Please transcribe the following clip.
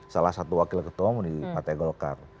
salah satu wakil ketua umum di partai golkar